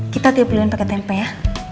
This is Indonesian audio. kita deep lilin pake tempe ya